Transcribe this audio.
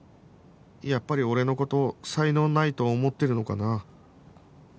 やっぱり俺の事才能ないと思ってるのかな